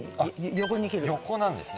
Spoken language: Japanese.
横なんですね。